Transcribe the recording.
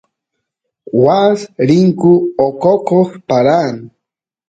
waas rinku oqoquy paran